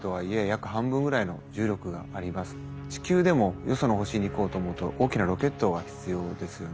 地球でもよその星に行こうと思うと大きなロケットが必要ですよね。